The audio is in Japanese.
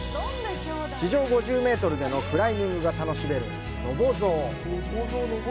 地上５０メートルでのクライミングが楽しめるのぼゾー。